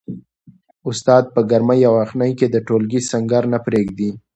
استاد په ګرمۍ او یخنۍ کي د ټولګي سنګر نه پریږدي.